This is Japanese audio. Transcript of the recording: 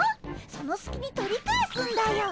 そのすきに取り返すんだよ！